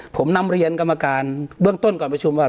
ผมนำเรียนกรรมการเบื้องต้นก่อนประชุมว่า